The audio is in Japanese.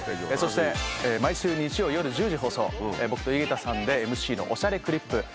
そして毎週日曜夜１０時放送僕と井桁さんでＭＣの『おしゃれクリップ』。